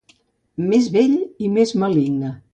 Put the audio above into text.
Més vell i més maligne.